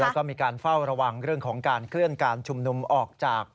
แล้วก็มีการเฝ้าระวังเรื่องของการเคลื่อนการชุมนุมออกจาก